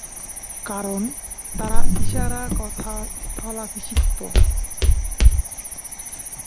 কারণ, তার ইশারা কথার স্থলাভিষিক্ত।